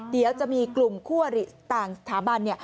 เดี๋ยวจะมีกลุ่มคู่อริต่างสถาบัน